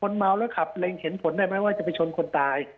เมาแล้วขับเล็งเห็นผลได้ไหมว่าจะไปชนคนตาย